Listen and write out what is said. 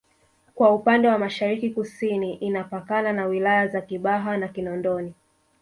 kwa upande wa Mashariki Kusini inapakana na wilaya za Kibaha na Kinondoni